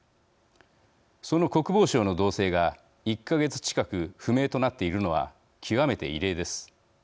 その国防相の動静が１か月近く不明となっているのは極めて異例です。